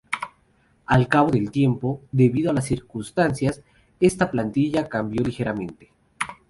Al cabo del tiempo, debido a las circunstancias, esta plantilla cambió ligeramente.